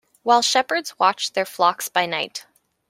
While shepherds watched their flocks by night.